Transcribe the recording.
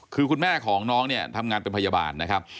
คือคุณแม่ของน้องเนี่ยทำงานเป็นพยาบาลนะครับ